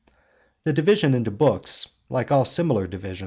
The division into books, like all similar divisions (Cp.